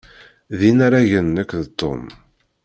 D inaragen nekk d Tom.